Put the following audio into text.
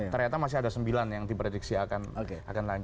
ternyata masih ada sembilan yang diprediksi akan lanjutkan